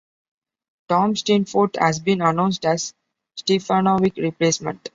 Tom Steinfort has been announced as Stefanovic's replacement.